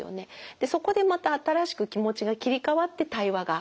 そこでまた新しく気持ちが切り替わって対話ができるようになる。